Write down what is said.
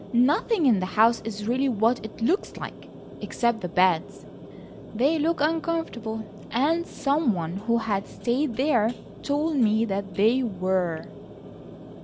Nothing in the house is really what it looks like, except the beds; they look uncomfortable, and some one who had stayed there told me that they were."